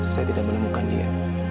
saya tidak menemukan dia